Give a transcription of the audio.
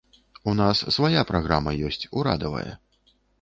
У нас свая праграма ёсць, урадавая.